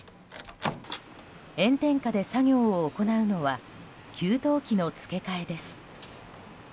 炎天下で作業を行うのは給湯器の付け替えです。